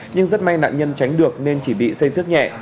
nhưng rất may nạn nhân tránh được nên chỉ bị xây rước nhẹ